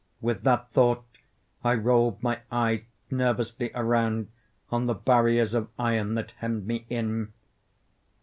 With that thought I rolled my eves nervously around on the barriers of iron that hemmed me in.